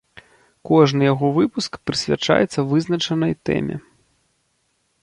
Кожны яго выпуск прысвячаецца вызначанай тэме.